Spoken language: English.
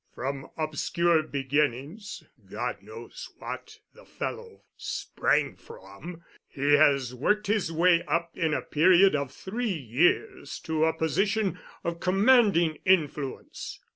From obscure beginnings—God knows what the fellow sprang from—he has worked his way up in a period of three years to a position of commanding influence.